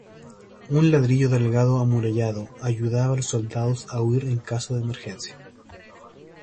Un ladrillo delgado amurallado ayudaba a los soldados a huir en caso de emergencia.